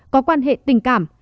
có quan hệ tình cảm